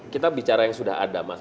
kita bicara yang sudah ada mas